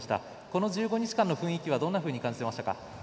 この１５日間の雰囲気はどんなふうに感じてましたか。